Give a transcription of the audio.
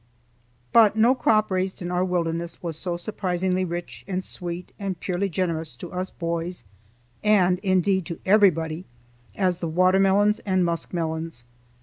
But no crop raised in our wilderness was so surprisingly rich and sweet and purely generous to us boys and, indeed, to everybody as the watermelons and muskmelons.